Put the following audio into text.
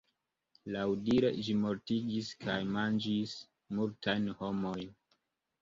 Laŭdire ĝi mortigis kaj manĝis multajn homojn.